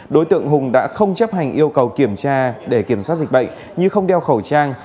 đối tượng hùng đã không chấp hành yêu cầu kiểm tra để kiểm soát dịch bệnh như không đeo khẩu trang